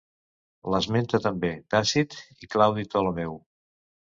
L'esmenta també Tàcit i Claudi Ptolemeu.